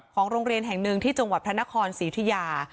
โรงเรียนแห่งหนึ่งที่จังหวัดพระนครศรีอุทิยา